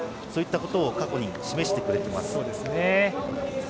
そんなことを過去に示してくれています。